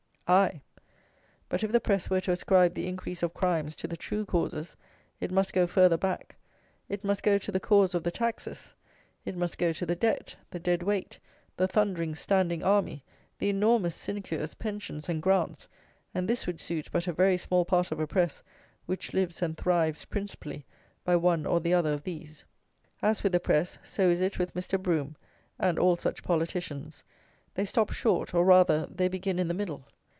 Aye! but if the press were to ascribe the increase of crimes to the true causes it must go further back. It must go to the cause of the taxes. It must go to the debt, the dead weight, the thundering standing army, the enormous sinecures, pensions, and grants; and this would suit but a very small part of a press which lives and thrives principally by one or the other of these. As with the press, so is it with Mr. Brougham and all such politicians. They stop short, or, rather, they begin in the middle.